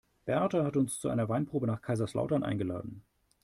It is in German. Berta hat uns zu einer Weinprobe nach Kaiserslautern eingeladen.